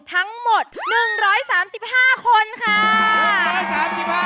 ทั้งหมด๑๓๕คนค่ะ